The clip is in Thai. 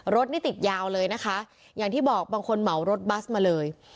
รถนี่ติดยาวเลยนะคะอย่างที่บอกบางคนเหมารถบัสมาเลย